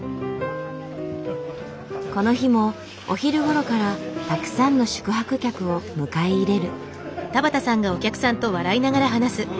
この日もお昼頃からたくさんの宿泊客を迎え入れる。